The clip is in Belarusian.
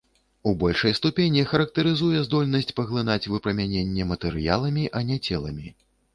У большай ступені характарызуе здольнасць паглынаць выпрамяненне матэрыяламі, а не целамі.